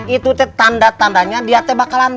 itu teh tanda tandanya dia bakalan bangga